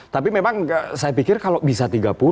tapi memang saya pikir kalau bisa tiga puluh